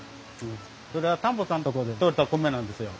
それは田んぼさんのとこで取れた米なんですよ。